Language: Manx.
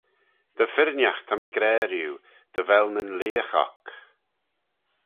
Dy firrinagh ta mee gra riu, dy vel nyn leagh oc.